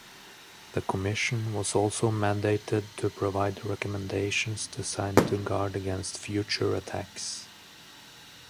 The commission was also mandated to provide recommendations designed to guard against future attacks.